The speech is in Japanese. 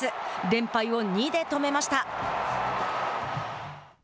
連敗を２で止めました。